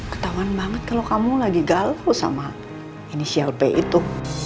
ketauan banget kalo kamu lagi galau sama inisial p itu